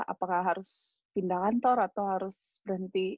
apakah harus pindah kantor atau harus berhenti